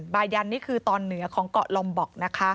บายันนี่คือตอนเหนือของเกาะลอมบอกนะคะ